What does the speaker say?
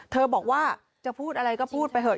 บอกว่าจะพูดอะไรก็พูดไปเถอ